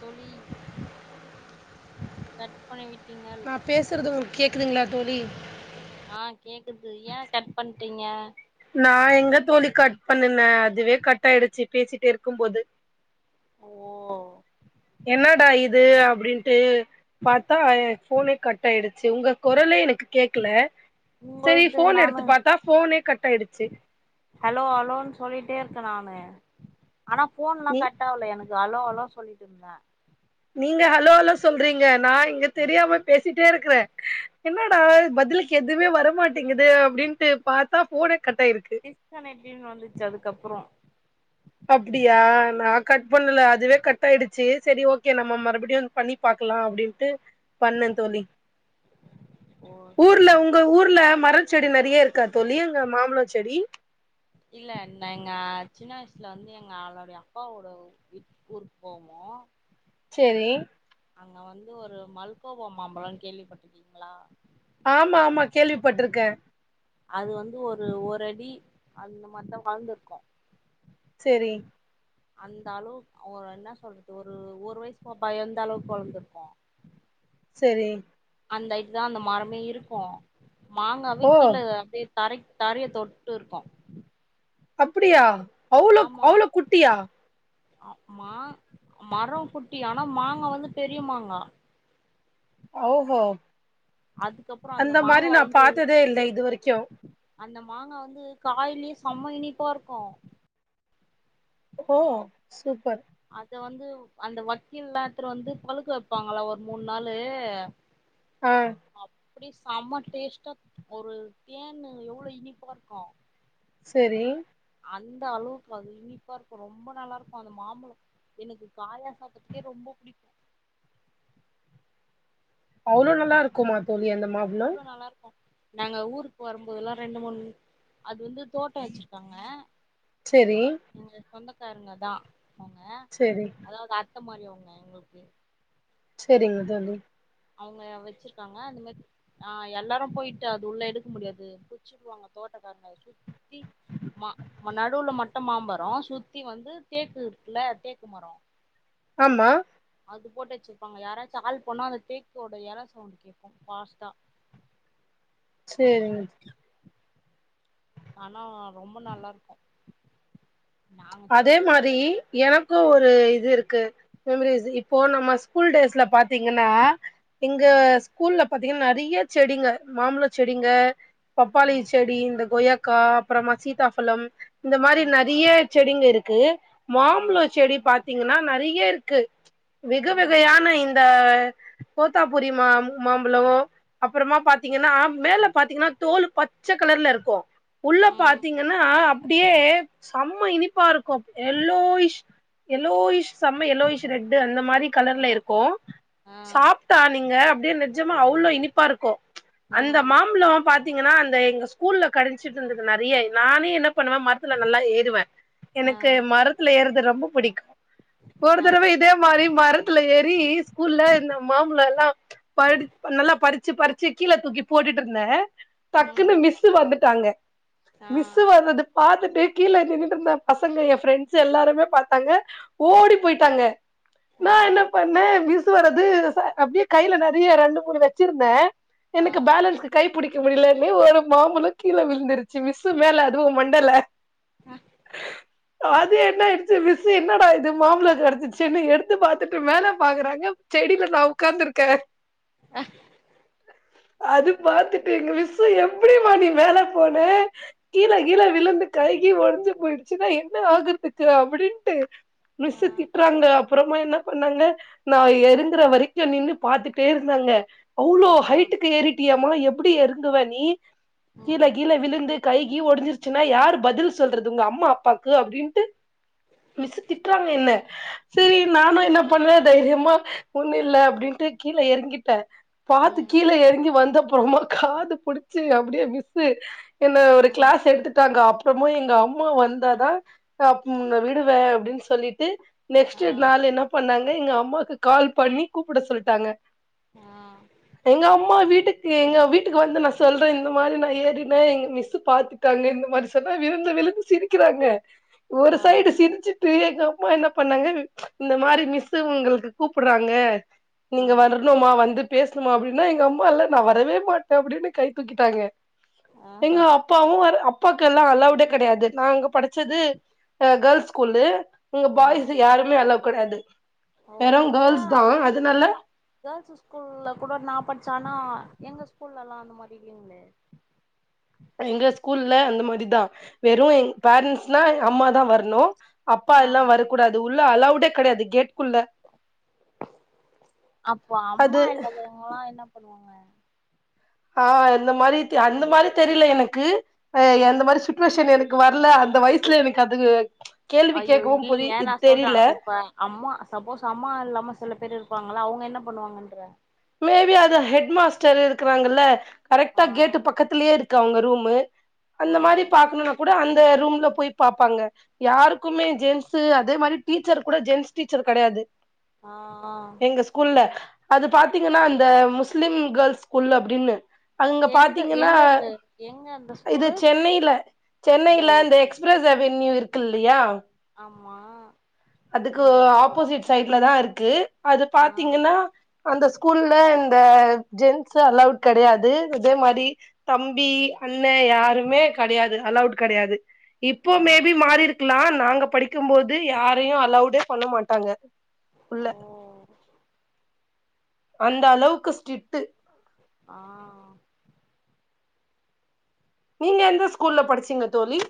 தோழி கட் பண்ணி விட் நா பேசுறது உங்களுக் கே கேக்குதுங்களா தோழி ஆ கேக்குது ஏ கட் பண்ணட்டீங்க நா எங்க தோழி கட் பண்ணனே அதுவே கட் ஆயிடுச்சு பேசிட்டே இருக்கும்போது ஓ என்னடா இது அப்படின்ட்டு பா பத்தா எ போனே கட் ஆயிடுச்சு உங்க குரலே எனக்கு கேக்கல செரி உங்களது ஃபோன் நானு எடுத்து பாத்தா ஃபோனே கட் ஆயிடுச்சு ஹலோ ஹலோன்னு சொல்லிட்டே இருக்கே நானு ஆனா போன்லா நீ கட்ட ஆல எனக் இது ஹலோ ஹலோ சொல்லிட்டு இருந்தே நீங்க ஹலோலோ சொல்றீங்க நா இங்க தெரியாம பேசிட்டே இருக்கறே என்னா டா பதிலுக் எதுவுமே வரமாட்டேங்குது அப்படின்ட்டு பாத்தா போனே டிஷ் கனெக்ட்ன்னு வந்துச்சு அதுக்கப்புறோ அப்படியா நா கட் பண்ணல அதுவே கட் ஆயிடுச்சு சேரி ஓகே நம்ம மறுபடியு பண்ணி பாக்கலா அப்படின்ட்டு பண்ணே தோழி ஓ ஊர்ல சரிங்க உங்க ஊர்ல மர செடி நெறைய இருக்கா தோழி அங்க மாமழம் செடி இல்ல நா எங்க சின்ன வயசுல வந்து எங்க அவளுடைய அப்பாவோட வீட் ஊருக்கு போவோ சேரி அங்க வந்து ஒரு மல்கோவா மாம்பழம்னு கேள்விப்பட்டுருக்கீங்களா ஆமா ஆமா கேள்விப்பட்டிருக்கே அது வந்து ஒரு ஒரு அடி அந்த மாரி தா வளந்திருக்கு சேரி அந்த அளவு ஒ என்ன சொல்றது ஒரு ஒரு வயசு பாப்பா எந்த அளவுக்கு வளந்திருக்கு சேரி அந்த ஹைட் தா அந்த மரமே இருக்கு மாங்காவே ஓ கீழே அப்படியே தரை தரய தொட்டு இருக்கோ அப்பிடியா அவ்ளோ அவ்ளோ குட்டியா அம்மா மரோ குட்டி ஆனா மாங்கா வந்து பெரிய மாங்கா ஹாஹோ அதுக்கப்றோ அந்த மாரி மாங்கா நா வந்து பாத்ததே இல்லை இது வரைக்கு அந்த மாங்கா வந்து காயிலயே செம்ம இனிப்பா இருக்கு ஓ சூப்பர் அத்த வந்து அந்த வக்கீல்லா எத்துனு வந்து பழுக்க வைப்பாங்களா ஒரு மூணு நாளு ஆ அப்பிடியே சம்ம டேஸ்ட்டா ஒரு தேன் எவ்ளோ இனிப்பா இருக்கு சேரி அந்த அளவுக்கு வந் இனிப்பா இருக்கு ரொம்ப நல்லா இருக்கு அந்த மாம்பழம் எனக்கு காயா சாப்பதுக்கே ரொம்ப புடிக்கு அவ்ளோ நல்லா இருக்கும்மா தோழி அந்த மாபலோ அவ்ளோ நல்லா இருக்கு நாங்க ஊருக்கு வருபோதெல்லா ரெண்டு மூணு அது வந்து தோட்டோ வச்சிருக்காங்க சேரி எங்க சொந்தக்காரங்க தா போங்க சேரி அதாவது கா எந்த மாரி அவங்க எங்களுக்கு ரிங் தந்து அவங்க வச்சிருக்காங்க அந்த மேரி ஆ எல்லாரு போயிட்டு அது உள்ள எடுக்க முடியாது புச்சுடுவாங்க தோட்டக்காரங்க சுத்தி மா நடுவுல மட்டு மாம்பரோ சுத்தி வந்து தேக்கு இருக்குல தேக்கு மரோ ஆமா அது போட்டு வச்சிருப்பாங்க யாராச்சு ஆால் போனா அந்த தேக்கோட இல சவுண்ட் கேட்போ பாஸ்ட்டா சேரிங்க சே ஆனா ரொம்ப நல்லா இருக்கு நாங்க சின்ன அதே மாரி வயசுலலா போய் எனக்கு ஒரு இது இருக்கு மெமரிஸ் இப்போ நம்ம ஸ்கூல் டேஸ்ல பாத்தீங்கன்னா இங்க ஸ்கூல்ல பாத்தீங்கன்னா நெறைய செடிங்க மாம்பழ செடிங்க பப்பாளி செடி இந்த கொய்யா கா அப்புறமா சீத்தாபழம் இந்த மாரி நெறைய செடிங்க இருக்கு ம் மாம்பழம் செடி பாத் பாத்தீங்கனா நெறய இருக்கு வெகு ம் வெகையான இந்த கோத்தாபுரி மா மாம்பழோ அப்பறமா பாத்தீங்கனா மேல பாத்தீங்கனா தோல் பச்ச கலர்ல இருக்கு உள்ள ம் பாத்தீங்கனா அப்டியே சம இனிப்பா இருக்கு எல்லோயிஷ் எலோயிஷ் செம்ம எல்லோயிஷ் ரெட் அந்த மாரி ஆ கலர்ல இருக்கு ஆ சாப்டா நீங்க அப்டியே நெஜமா அவ்ளோ இனிப்பாயிருக்கு அந்த ம் மாம்பலோ பாத் தீங்கனா அந்த எங்க ஸ்கூல்ல கடச்சுட்டு இருந்தது நெறய நானே என்ன பண்ணுவே மரத்ல நல்லா ஏறுவே ஆ எனக்கு மரத்ல ஏறது ரொம்ப புடிக்கு ஒரு ஆ தடவ இதே மாரி மரத்ல ஏறி ஸ்கூல்ல இந்த மாம்பலோ எல்லா ப நல்லா பறிச்சு -பறிச்சு கீழ தூக்கி போட்டுட்டுயிருந்தே டக்குன்னு ம் மிஸ்ஸு வந்துட் டாங்க ஆ மிஸ்ஸு வரத பாத்துட்டு ஏ கீழ எறங்கு இருந்த பசங்க என் ஃப்ரெண்ட்ஸ் எல்லாருமே பாத்தாங்க ஓடி போயிட்டாங்க ஆ நா என்ன பண்ணே மிஸ் வர்றது அப்டியே கையில நெறய ரெண்டு மூனு வெச்சிருந்தே ஆ எனக்கு பேலன்ஸ்கு கை புடிக்க முடியல்லனு ஒரு மாம்பலோ கீழ விழுந்துடுச்சு மிஸு மேல அதுவு மண்டைல அது என்ன ஆயிடு ச்சு மிஸ் என்னடா இது மாம்பலோ கெடச்சிச்சுன்னு எடுத்து பாத்துட்டு மேல பாக்குறாங்க செடியில நா ஒக்காந்துருக்கே அஹ் அது பாத்துட்டு எங்க மிஸ்ஸு எப்டி மா நீ மேல போன கீழ -கீழ விழுந்து கை கிய்யு ஒட ஞ்சு போயிடுச்சுன்னா என்ன ஆகுறதுக்கு அப்டின்டு ஆ மிஸ்ஸு திட்றாங்க அப்புறமா என்ன பண்ணாங்க நா எறங்ர வரைக்கு நின்னு பாத்துட்டேயிருந்தாங்க அவ்ளோ ஆ ஹைட்டுக்கு ஏரிட்டியேமா எப்டி எறங்குவ நீ ம் கீழ-கீழ விழுந்து கை கீ ஒடஞ்சிடுச்சுன்னா யார் பதில் சொல்றது உங்க அம்மா அப்பாக்கு அப்டின்டு மிஸ்ஸு திட்டுறாங்க என்ன செரி நானு என்ன பண்ண தைரியமா ஒன்னுயில்ல அப்டின்டு கீழ எறங்கிட்டே பாத்து ம் கீழ எறங்கி வந் த போகும்போது காது புடிச்சு அப்டியே மிஸ்ஸு என்ன ஒரு ம் கிளாஸ் எடுத்துட்டாங்க அப் புறமா எங்க அம் மா ம் வந்தாதா அப் ம் உன்ன விடுவே அப்டின்னு சொல்லிட்டு நெக்ஸ்ட்டு ஆ நாளு என்ன பண்ணாங் க எங்க அம்மாக்கு கால் பண்ணி கூப்புட சொல்ட்டாங்க. ஆ எங்க அம்மா வீட்டுக்கு எங்க வீட்டுக்கு வந்து நா சொல்றே இந்த மாரி நா ஏறினே எங்க மிஸ்ஸு பாத்துட்டாங்க இந்த மாரி சொன்னா விழுந்து விழுந்து சிரிக்குறாங்க ஒரு ஆ சைடு சிரிச்சுட்டு எங்க ம்மா என்ன பண்ணாங்க இந்த மாரி மிஸ்ஸு உங்களுக்கு கூப்பட்றாங்க ஆ நீங்க வரணுமா வந்து பேசுமா அப்டி ன்னா எங்க அம்மா இல்ல நா வரவே மாட்ட அப்டின்னு கை தூக்கிட்டாங்க ஆஹா எங்க அப்பாவு வர அப் பாக்கு எல்ல அலவுடே கெடையாது நா அங்க படி ச்சது ஆ கேல்ஸ் ஸ்கூலு அங்க ஆ பாய்ஸ் யாருமே அலவ் கெடையாது ஓ வெறு ஏ கேர்ள்ஸ் தா அப்டி அதனால பொ ஆ கேல்ஸு ஸ்கூல்ல கூட நா பட்ச்சே ஆனா எங்க ஸ்கூல்லல்லா அந்த மாரி இல்லே எங்க ஸ்கூல்ல அந்த மாரிதா வெறு எங் பேரண்ட்ஸ்னா அம்மாதா வரணு அப்பா ஆ எல்லா வரக்கூடாது உள் ள அலவுடே கெடையாது கேட் அப்ப அது அம்மா இல்லாதவங்ளா என்ன பண்ணுவாங்க ஆ இந்த மாரி தெ அந்த மாரி தெரில எனக்கு ஆ அந்த மாரி சுட்டுவேஷன் எனக் கு வர்ல அந்த வயசுல எனக்கு அது கேள்வி ஐயோ கேட்கவு புரி இல்லிங்க இது நா சொல்றே தெரில இப்ப அம்மா சப்போஸ் அம்மா இல்லாம சில பேர் இருப்பாங்கல்ல அவுங்க என் ன பண்ணுவாங்கன்ற மேபி அது ஹெட் மாஸ்டர் இருக்கிறாங்கல்ல கரெக்டா ஆ கேட்டு பக்கத்துலயே இரு க்கு அவங்க ரூமு ஆ அந்த மாரி பாக்கணுனா கூட அந் தே ரூம்ல போய் பாப்பாங்க யாருக் க்குமே ஓ ஜென்ஸு அதே மாரி டீச்சர் கூட ஜென்ஸ் டீச்சர் கெடயாது ஆ ஆ எங்க ஸ்கூல்ல அதுப் பாத்தீகன்னா அந்த முஸ்லிம் கேல்ஸ் ஸ்கூல அப்டினு அங்க எந்த பாத்தீங்கன்னா எங்கக்கு எங்க அந்த இது ஸ்கூலு சென்னையில ஓ சென்னையில இந்த சரி எக்ஸ்பிரஸ் அவன்யூ இருக் க்கு இல்லியா ஆமா அதுக்கு அங்க ஒரு ஸ்கூல் ஆப்போசிட் சைட்ல தா இருக் கு அது ஆ பாத்தீகன்னா அந்த ஸ்கூல்ல இந்த ஜென்ஸ் அலௌவுட் கிடையாது அதே மாரி தம்பி அண்ணன யாருமே கிடையாது அலௌட் கிடையாது இப்போ ஆ மே பி மாறி இருக்கலா நாங்க படிக்கும்போது யார் ரையும் அலோவ்டே பண்ண மாட்டாங்க உள்ள ஓ அந்த அளவுக்கு ஸ்டிட்டு ஆ நீங்க எந்த ஸ்கூல்ல படிச்சீங்க தோழி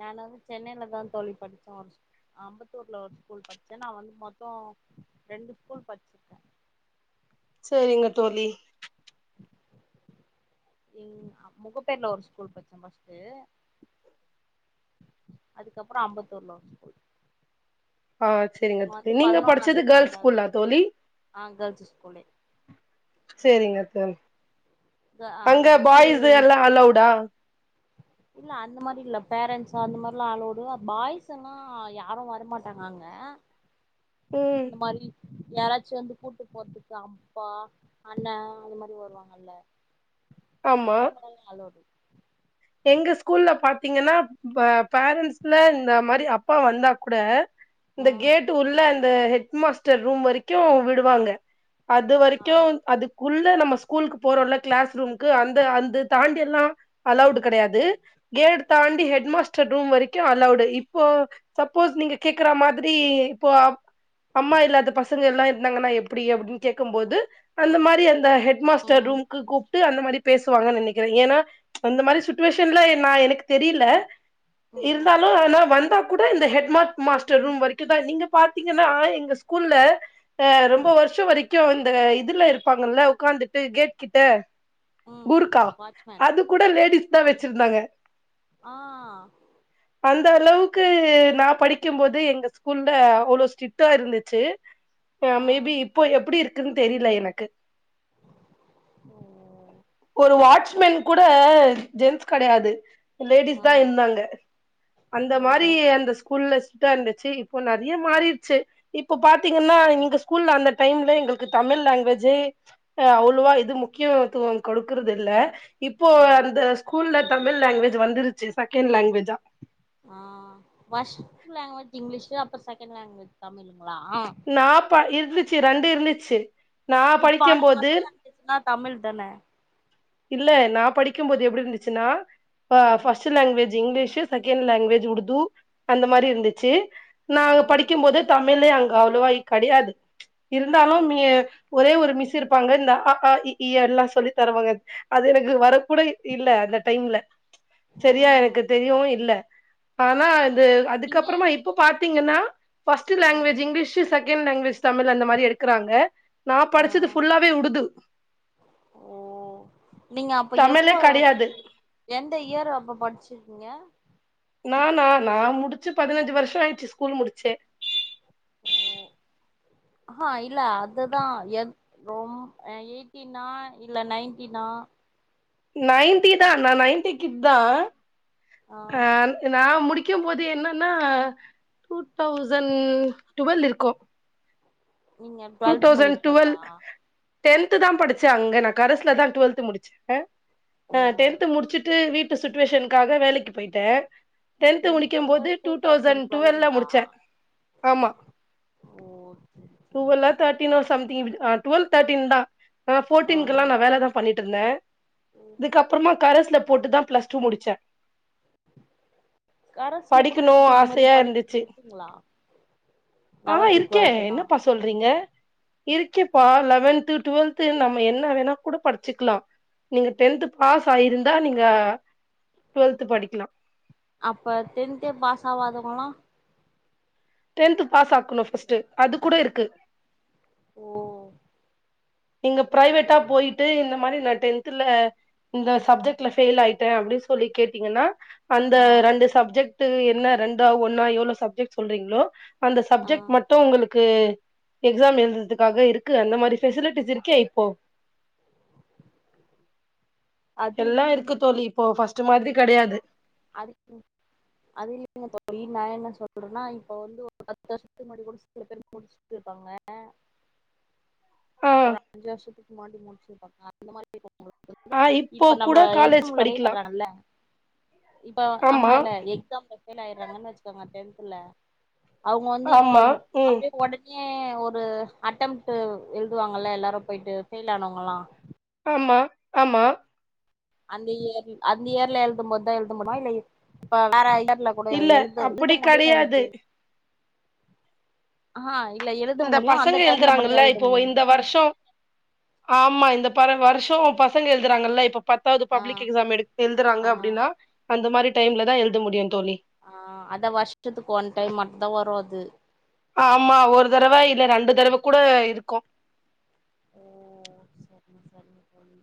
நான் வந்து சென்னையிலதா தோழி படிச்சோ ஒரு அம்பத்தூர்ல ஒரு ஸ்கூல் படிச்சே நா வந்து மொத்தே ரெண்டு ஸ்கூல் படிச்சிருக்கே சேரிங்க தோழி ம் முகப்பேர்ல ஒரு ஸ்கூல் படிச்ச பஸ்ட்டு அதுக்கப்புறோ அம்பத்தூர்ல ஒரு ஸ்கூல் ஆ சேரிங்க இங்க தோழி வந்து நீங்க படிச்சது பதினொன்னாவது கேர்ள்ஸ் பன்னெண்டாவது ஸ்கூல்லா தோழி ஆ கேர்ள்ஸ் ஸ்கூலு சேரிங்க தோழி அங்க பாய்ஸு எல்லா அலோட இல்ல அந்த மாரி இல்ல பேரண்டட்ஸ் அந்த மாதிரல்லா ஆளோடு பாய்ஸ் எல்லாம யாரு வரமாட்டாங்க அங்க ம் இந்த மாரி யாராச்சு வந்து கூட்டு போறதுக்கு அப்பா அண்ணே அந்த மாரி வருவாங்கல்ல ஆமா அவங்க எல்லாருமே அலோடு எங்க ஸ்கூல்ல பாத்தீங்கன்னா ப பேரன்ட்ஸ்ல இந்த மாரி அப்பா வந்தா கூட இந்த ம் கேட்டு உள்ள அந்த ஹெட் மாஸ்டர் ரூம் வரைக்கு விடுவாங்க அது ஆ வரைக்கு அது உள்ள நம்ம ஸ்கூலுக்கு போறோல கிளாஸ் ரூம்க்கு அந்த அந்த தாண்டி எல்லா அலோடு கிடையாது கேட தாண்டி ஹெட் மாஸ்டர் ரூம் வரைக்கு அலோடு இப்போ சப்போஸ் நீங்க கேக்குற மாதிரி இப்போ அம்மா இல்ல அது பசங்க எல்லா இருந்தாங்கன்னா எப்படி அப்படின்னு கேட்கும்போது அந்த மாரி அந் தா ஹெட் மாஸ்டர் ம் ரூமுக்கு கூப்ட்டு அந்த மாரி பேசுவாங்க நினைக்கிறே ஏன்னா அந்த மாரி சுட் சுச்சுவேஷன்ல நா எனக்கு தெரியல ம் இருந்தாலு ஆனா வந்தா கூட இந்த ஹெட் மாட் மாஸ்டர் ரூம் வரைக்கு தா நீங்க பாத்தீங்கன்னா எங்க ஸ்கூல்ல ஆ ரொம்ப ம் வருஷ வரைக் கு இந்த இதுல இருப்பாங்கல்ல உட்கார்ந்துட்டு கேட் கிட்ட ம் கூர்கா வாட்ச்மேன் அது கூட லேடீஸ் வச்சிருந்தாங்க ஆ அந்த அளவுக்கு நா படிக்கும்போது எங்கள் ஸ்கூல அவ்வளோ ஸ்ட்ரிக்டா இருந்துச்சு ஆ மேபி இப்போ எப்படி இருக் க்குன்னு தெரியல எனக்கு உம் ஒரு வாட்ச்மேன் கூட ஜென்ஸ் கிடையாது லேடிஸ் ஆ தா இருந்தாங்க அந்த ஓ மாரி அந்த ஸ்கூல்ல ஸ்ட்ரீட இருந்துச்சு இப்போ நெறைய மாறிடுச்சு இப்போ பாத்தீங்கன்னா இங்க ஸ்கூல்ல அந்த டைம்ல எங்களுக்கு தமிழ் லாங்குவேஜே அ அவ்வளவா இது முக்கியத்துவம் கொடுக்கறது இல்ல இப்போ ஆ அந்த ஸ்கூல்ல தமிழ் லாங்குவேஜ் வந்துருச்சு செகண்ட் லாங்குவேஜா ஆ ஃபர்ஸ்ட் லாங்குவேஜ் இங்கிலீஷ் அப்புறோ செகண்ட் லாங்குவேஜ் தமிழ் நாப்பா இருந்துச் சு ரெண்டு இருந்துச்சு நா இப்ப படிக்கும் ஆனா போது ஃபர்ஸ்ட் லாங்குவேஜ் தா தமிழ்தான இல்ல நா படிக்கும் போது எப்படி இருந்துச்சுன்னா ஆ ம் first language English second language Urdu அந்த மாரி இருந்துச்சு நாங்க ம் படிக்கும்போது தமிழ்ழே அங் அவ்வளவா இ கெடையாது இருந்தாலும் மெ ப் ஒரே ஒரு மிஸ் இருப்பாங்க இந்த அ ஆ இ ஈ எல்லா சொல்லி தருவாங்க அது எனக்கு வர கூட இல்ல அந்த டைம்ல சரியா எனக்கு தெரியவும் இல்ல ஆனா அது நீங்க அதுக்கப்புறமா இப்ப பார்த் பாத்தீங்கன்னா ஃபர்ஸ்ட் ஆ language English second language Tamil அந்த மாரி எடுக்கறாங்க நான் ஆ படிச்சது ஃபுல்லாவே உடுது ஓ நீங்க அப்ப எப்போ எந்த இயர் அப்ப படிச்சுருக்கீங்க நானா நான் முடிச்சு பதினஞ்சு வருஷம் ஆயிச்சு ஸ்கூல் முடிச்சே ஓ ஆ இல்ல அதுதான் எந் ரொம் எயிட்டீனா இல்ல நைன்டீனா நைன்டி தான் நான் நைன்டி கிட் தான் ஆ நான் முடிக் க்கும்போது என்னன்னா டூ தௌசண்ட் டுவெல் இருக்கும் நீங்க டுவெல்த் முடிக்கும் போதா டென்த்து தான் படிச்சேன் அங்க நான் கரஸ்சுல தான் டுவெல்த் முடிச்சேன் ஓ ஆ டென்த்து முடிச்சுட்டு வீட் சுட்வேஷனுக்காக வேலைக்கு போயிட்டேன் டென்த் முடிக்கும் போது டூ தௌசண்ட் டுவெல்ல முடிச்சேன் ஆமா ஓ செரி செரி டுவெல்லோ தர்டினோ சம் டுவெல் தேர்ட்டின் தான் ஆ போப்டீக்கெல்லாம்நான் வேலைதான் பண்ணிட்டு இல்ல இதுக்கு அப்புறமா கரஸ்ல போட்டுதான் பிளஸ் டூ முடிச்சேன் கரஸ்ல கூட படிக்கணும் போட்டு இந்த மாரி ஆசையா இருந்துச்சு படிக்கிறது இருக்குங்களா ஆ லெவல்த்து இருக்கேன் டுவெல்த்துலா என்னப்பா சொல்றீங்க இருக்கேப்பா லவென்து டுவெல்த்து நம்ம என்ன வேணா கூட படிச்சுக்கலாம் நீங்க டென்த் பாஸ் ஆயிருந்தா நீங்க டுவெல்த் படிக்கலா அப்ப டென்த்தே பாசாவாதங்களா டென்த்து பாஸ் ஆக்கணு ஃபர்ஸ்டு அது கூட இருக்கு ஓ நீங்க பிரைவேட்டா போயிட்டு இந்த மாரி நா டென்த்ல இந்த சப்ஜெக்ட்ல ஃபெயில் ஆயிட்டே அப்படின் சொல்லி கேட்டீங்கன்னா அந்த ஆ ரெண்டு சப்ஜெக்ட் து என்ன ரெண்டா ஒன்னா எவ்வளோ சப்ஜெக்ட் சொல்றீங்களோ அந்த ஆ சப்ஜெக்ட் மட்டு உங்களுக் க்கு எக்ஸாம் எழுதுதுக்காக இருக்கு அந்த மாரி பெசிலிட் ட்டிஸ் இருக்கே இப்போ அது எல்லா இல்லைங்க இருக்கு தோழி இப்போ ஃபர்ஸ் சு மாதிரி கிடையாது அது அது இல்லைங்க தோழி நா என்ன சொல்றேன்னா இப்ப வந்து ஒரு பத்து வருஷத்து முன்னாடி கூட சில பேரு ஆ [inaudible] ஒரு அஞ்சு வருஷத்து முன்னாடி முடிச்சு அந்த மாதிரி ஆ இப்போ கூட காலேஜ் ஃபெயில் படிக்கலா ஆயிடுறாங்கல்ல இப்ப ஆ ஆ ஆமா இல்ல எக்ஸாம் [unintelligible] பெயில் ஆயறாங்கன்னு வச்சுக்கோங்க டென்துல அவங்க வந்து இப்ப ஆமா ம் அப்படியே உடச் ஏ ஒரு அட்டம்டு எழுதுவாங்கல்ல எல்லாரு போயிட்டு ஃபெயில் ஆனவங்கல்லா ஆமா ஆமா அந்த இயர் அந்த இயர்ல எழுதும்போதுதா எழுந்த முடியுமா இல்ல இப்ப வேற இயர் இல்ல [unintelligible] எழுத எழுத அப்படி முடியல கெடையாது எனக்கு ஆ இப் இந்த பசங்க எழுதுறாங்கல்ல இப்போ இந்த வருஷ ஆமா இந்த பா வருஷ பசங்க எழுதுறாங்கல்ல இப்ப பத்தாவது ஆ பப்ளிக் எக்ஸாம் எடுத் எழுதுறாங்க ஆ அப்படின்னா அந்த மாரி டைம்ல தா எழுத முடியு தோழி ஆ அதா வருஷத்துக்கு ஒன் டைம் மட்டு தா வரும் அது ஆமா ஒரு தடவ இல்ல ரெண்டு தடவ கூட இருக்கு ஓ சேரிங்க சேரிங்க தோழி